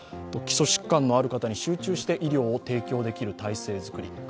基礎疾患のある方に集中して医療を提供できる体制作り